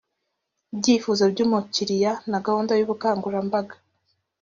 ibyifuzo by’umukiriya na gahunda y’ubukangurambaga